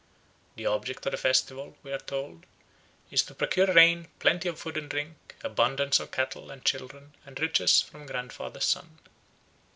The object of the festival, we are told, is to procure rain, plenty of food and drink, abundance of cattle and children and riches from Grandfather Sun.